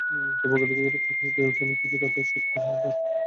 তবে অগ্রাধিকার খাত বিবেচনায় কিছু খাতে সুদ হার বেঁধে দিচ্ছে নিয়ন্ত্রক সংস্থাটি।